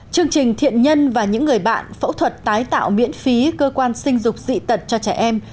chương trình thiện nhân và những người bạn phẫu thuật tái tạo miễn phí cơ quan sinh dục dị tật cho trẻ em